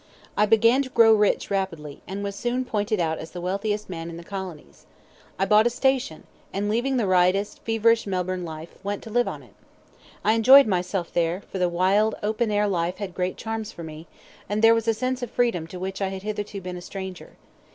I began to grow rich rapidly, and was soon pointed out as the wealthiest man in the Colonies. I bought a station, and, leaving the riotous, feverish Melbourne life, went to live on it. I enjoyed myself there, for the wild, open air life had great charms for me, and there was a sense of freedom to which I had hitherto been a stranger.